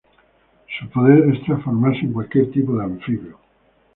Su poder es transformarse en cualquier tipo de anfibio.